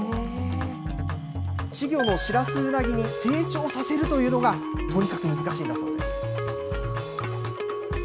稚魚のシラスウナギに成長させるというのが、とにかく難しいんだそうです。